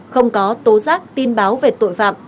không có tố giác tin báo về tội phạm